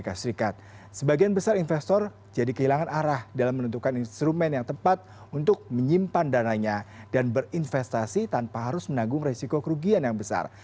sebagian besar investor jadi kehilangan arah dalam menentukan instrumen yang tepat untuk menyimpan dananya dan berinvestasi tanpa harus menanggung resiko kerugian yang besar